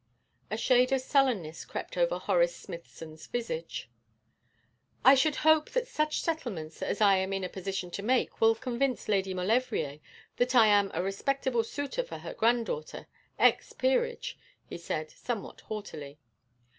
A shade of sullenness crept over Horace Smithson's visage. 'I should hope that such settlements as I am in a position to make will convince Lady Maulevrier that I am a respectable suitor for her granddaughter, ex peerage,' he said, somewhat haughtily.